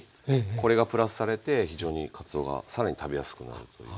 これがプラスされて非常にかつおが更に食べやすくなるという。